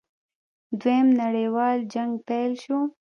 دویم نړیوال جنګ پیل شو.